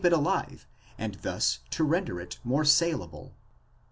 507 it alive, and thus to render it more saleable.